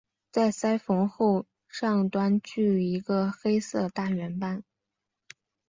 在鳃缝后面上端据一个黑色大圆斑。